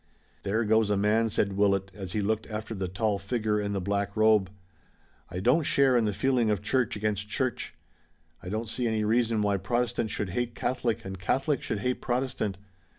"There goes a man," said Willet, as he looked after the tall figure in the black robe. "I don't share in the feeling of church against church. I don't see any reason why Protestant should hate Catholic and Catholic should hate Protestant.